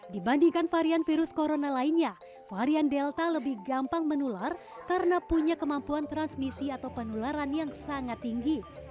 dibandingkan varian virus corona lainnya varian delta lebih gampang menular karena punya kemampuan transmisi atau penularan yang sangat tinggi